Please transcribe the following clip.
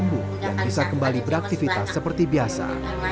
jangan lupa kualitas rumah rumah saya baru desire orang tua seperti ini